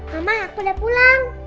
mama aku sudah pulang